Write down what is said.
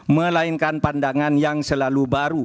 melainkan pandangan yang selalu baru